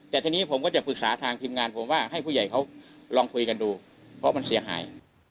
แต่ทีนี้ผมก็จะปรึกษาทางทีมงานผมว่าให้ผู้ใหญ่เขาลองคุยกันดูเพราะมันเสียหาย